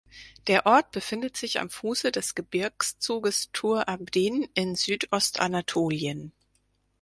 Der Ort befindet sich am Fuße des Gebirgszuges Tur Abdin in Südostanatolien.